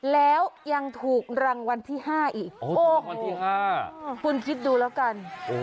แล้วยังถูกรังวันที่๕อีกคุณคิดดูแล้วกัน